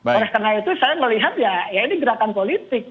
karena itu saya melihat ya ini gerakan politik